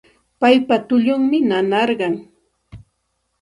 Paypa tullunmi nanarqan